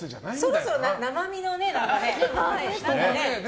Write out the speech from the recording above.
そろそろ生身のね。